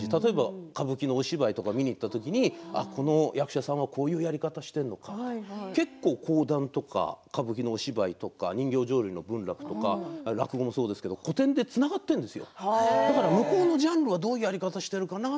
歌舞伎の芝居を見に行った時この役者さんはこういうやり方をしているとか講談とか歌舞伎のお芝居とか人形浄瑠璃、文楽、落語もそうですけれども古典はつながっているんです。